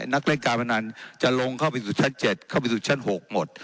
นักเล่นการพนันจะลงเข้าไปสู่ชั้น๗เข้าไปสู่ชั้น๖หมด